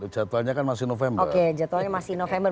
jadwalnya kan masih november